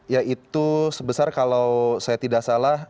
yaitu sebesar kalau saya tidak salah